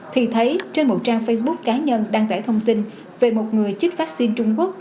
thì thấy trên một trang facebook cá nhân đăng tải thông tin về một người chích vaccine trung quốc